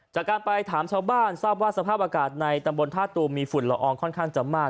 จากการไปถามชาวบ้านทราบว่าสภาพอากาศในตำบลท่าตูมมีฝุ่นละอองค่อนข้างจะมาก